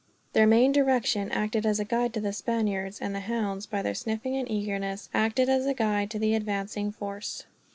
Their main direction acted as a guide to the Spaniards; and the hounds, by their sniffing and eagerness, acted as a guide to the advancing force.